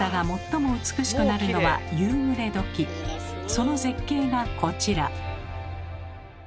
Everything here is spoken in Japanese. その絶景がこちら。